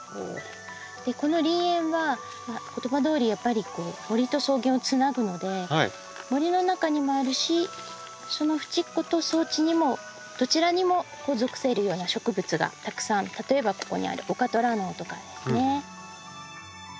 この林縁は言葉どおりやっぱり森と草原をつなぐので森の中にもあるしそのふちっこと草地にもどちらにも属せるような植物がたくさん例えばここにあるオカトラノオとかですね。